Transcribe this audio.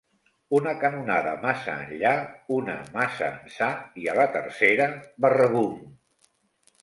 Una canonada massa enllà, una massa ençà, i a la tercera, barrabum